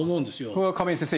これは亀井先生